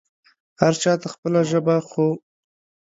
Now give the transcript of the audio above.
هر چا ته خپله ژبه خو